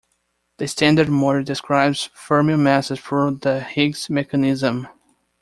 The Standard Model describes fermion masses through the Higgs mechanism.